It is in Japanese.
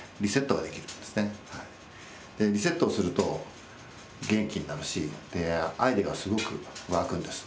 リセットをすると元気になるしアイデアがすごく湧くんです。